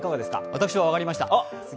私は分かりました。